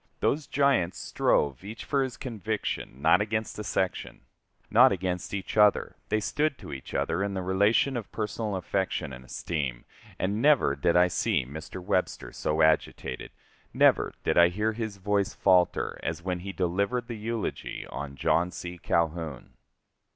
Those giants strove each for his conviction, not against a section not against each other; they stood to each other in the relation of personal affection and esteem, and never did I see Mr. Webster so agitated, never did I hear his voice falter, as when he delivered the eulogy on John C. Calhoun.